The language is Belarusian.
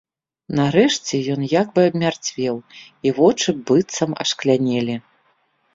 Нарэшце ён як бы абмярцвеў, і вочы быццам ашклянелі.